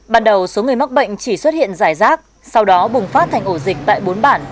ban đầu số người mắc bệnh chỉ xuất hiện rải rác sau đó bùng phát thành ổ dịch tại bốn bản